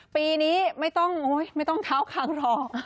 ปีนี้ไม่ต้องเท้าคางรอ